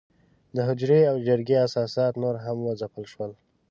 د حجرې او جرګې اساسات نور هم وځپل شول.